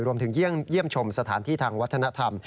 รวมถึงเยี่ยมชมสถานที่ทางวัฒนธรรม